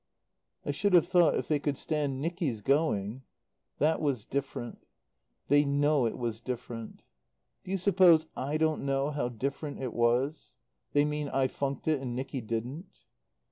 "I should have thought if they could stand Nicky's going " "That was different. They know it was different." "Do you suppose I don't know how different it was? They mean I funked it and Nicky didn't."